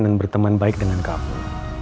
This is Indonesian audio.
dan berteman baik dengan kamu